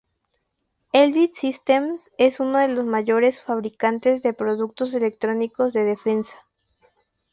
Elbit Systems es uno de los mayores fabricantes de productos electrónicos de defensa.